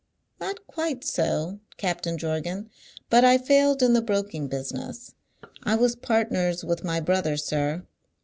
"Not quite so, Captain Jorgan; but I failed in the broking business. I was partners with my brother, sir.